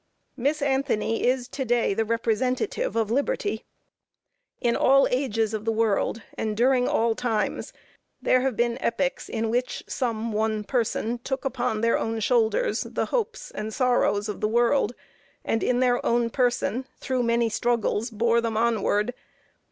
Miss Anthony is to day the representative of liberty. In all ages of the world, and during all times, there have been epochs in which some one person took upon their own shoulders the hopes and the sorrows of the world, and in their own person, through many struggles bore them onward.